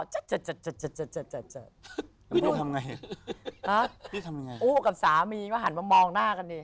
จัดจัดจัด